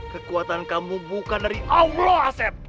kekuatan kamu bukan dari allah asep